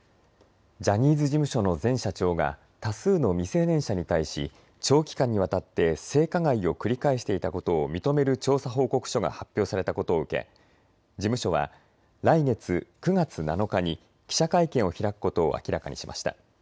ジャニーズ事務所の前社長が多数の未成年者に対し長期間にわたって性加害を繰り返していたことを認める調査報告書が発表されたことを受け事務所は来月９月７日に記者会見を開くことを明らかにしました。